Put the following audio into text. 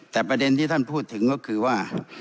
แต่ประเด็นที่ท่านพูดถึงก็คือว่า